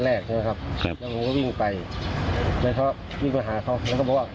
แล้วเขาวิ่งมาหาเขาแล้วก็บอกว่า